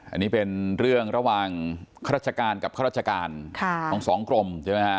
อันนี้เป็นเรื่องระหว่างข้าราชการกับข้าราชการของสองกรมใช่ไหมฮะ